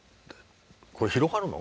「これ広がるの？」